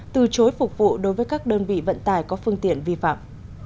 từ chối phục vụ đối với các đơn vị vận tải có phương tiện vi phạm